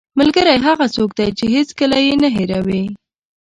ملګری هغه څوک دی چې هېڅکله یې نه هېروې